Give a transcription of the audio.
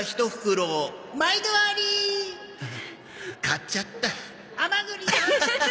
買っちゃった。